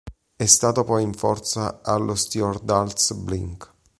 È stato poi in forza allo Stjørdals-Blink.